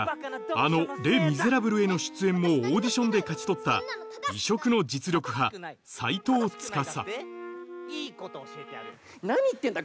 あの『レ・ミゼラブル』への出演もオーディションで勝ち取った異色の実力派何言ってんだ